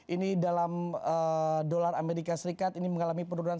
ini dalam dolar amerika serikat ini mengalami penurunan